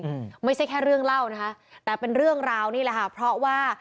อืมไม่ใช่แค่เรื่องเล่านะคะแต่เป็นเรื่องราวนี่แหละค่ะเพราะว่า